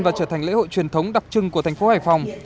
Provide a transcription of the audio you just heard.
và trở thành lễ hội truyền thống đặc trưng của thành phố hải phòng